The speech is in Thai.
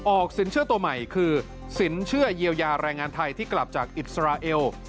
สินเชื่อตัวใหม่คือสินเชื่อเยียวยาแรงงานไทยที่กลับจากอิสราเอล